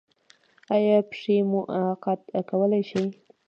ایا پښې مو قات کولی شئ؟